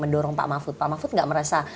mendorong pak mahfud pak mahfud nggak merasa